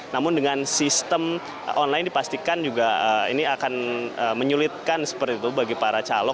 namun dengan sistem online dipastikan juga ini akan menyulitkan seperti itu bagi para calon